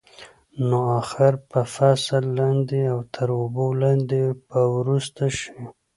نو اخر به فصل لاندې او تر اوبو لاندې به وروست شي.